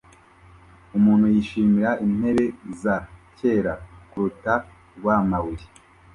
Umuntu yishimira intebe za kera kurukuta rwamabuye